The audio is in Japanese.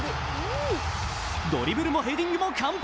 ドリブルもヘディングも完璧。